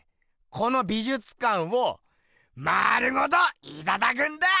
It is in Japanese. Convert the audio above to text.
この美じゅつかんを丸ごといただくんだ！